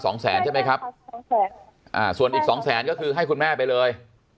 สองแสนใช่ไหมครับสองแสนอ่าส่วนอีกสองแสนก็คือให้คุณแม่ไปเลย